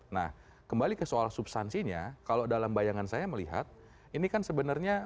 nah kembali ke soal substansinya kalau dalam bayangan saya melihat ini kan sebenarnya